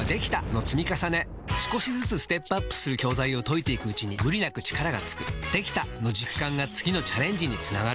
少しずつステップアップする教材を解いていくうちに無理なく力がつく「できた！」の実感が次のチャレンジにつながるよし！